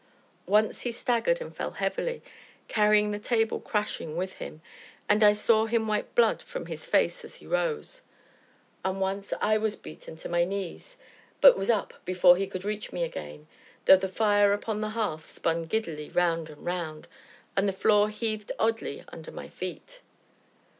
Once he staggered and fell heavily, carrying the table crashing with him, and I saw him wipe blood from his face as he rose; and once I was beaten to my knees, but was up before he could reach me again, though the fire upon the hearth spun giddily round and round, and the floor heaved oddly beneath my feet.